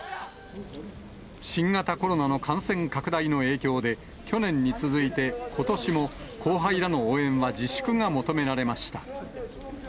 新型コロナの感染拡大の影響で、去年に続いて、ことしも後輩らの応援は自粛が求められました。